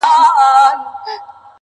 وروستی دیدن دی بیا به نه وي دیدنونه.!